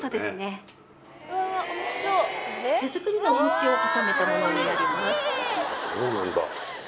はい・手作りのお餅を挟めたものになりますそうなんだ・